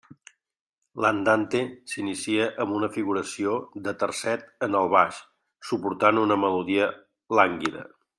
L'andante s'inicia amb una figuració de tercet en el baix suportant una melodia lànguida.